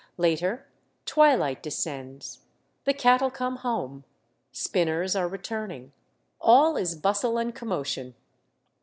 Later, twilight descends; the cattle come home, spinners are returning, all is bustle and com motion